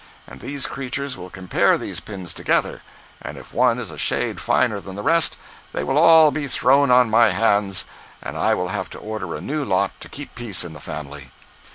And these creatures will compare these pins together, and if one is a shade finer than the rest, they will all be thrown on my hands, and I will have to order a new lot to keep peace in the family.